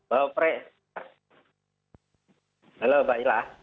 halo mbak ilah